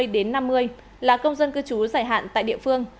đến năm mươi là công dân cư trú giải hạn tại địa phương